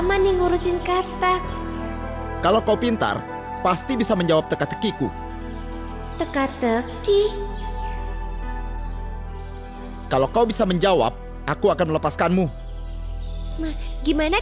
anda tidak terlalu lama